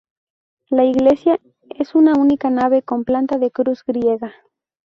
La iglesia es de una única nave con planta de cruz griega.